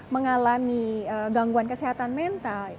mengalami gangguan kesehatan mental